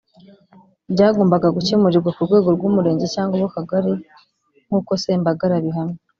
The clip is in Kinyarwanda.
byagombaga gukemurirwa ku rwego rw’umurenge cyangwa urw’akagari nk’uko Sembagare abihamya